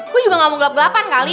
gue juga gak mau gelap gelapan kali